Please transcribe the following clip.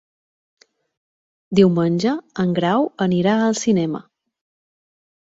Diumenge en Grau anirà al cinema.